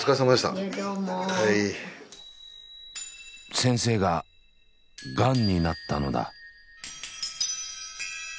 先生ががんになったのだ。